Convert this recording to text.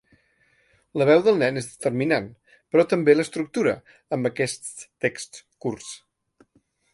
La veu del nen és determinant, però també l’estructura amb aquests texts curts.